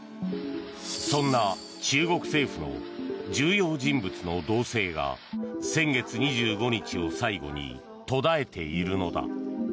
そんな中国政府の重要人物の動静が先月２５日を最後に途絶えているのだ。